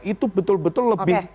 itu betul betul lebih